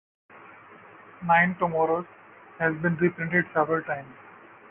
"Nine Tomorrows" has been reprinted several times.